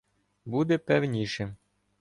Буде певніше.